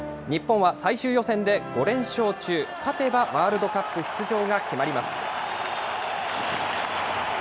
日本は最終予選で５連勝中、勝てばワールドカップ出場が決まります。